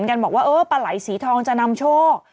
กันบอกว่าเออปลาไหล่สีทองจะนำโชค